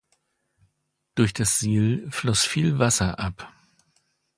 Durch das Siel floss viel Wasser ab.